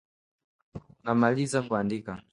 namaliza kuandika